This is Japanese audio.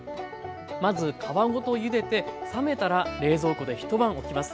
まず皮ごとゆでて冷めたら冷蔵庫で一晩おきます。